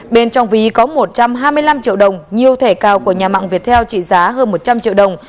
bên trong ví có một trăm hai mươi năm triệu đồng nhiều thẻ cao của nhà mạng việt theo trị giá hơn một trăm linh triệu đồng